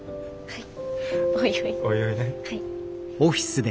はい。